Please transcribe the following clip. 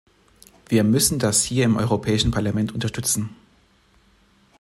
Wir müssen das hier im Europäischen Parlament unterstützen.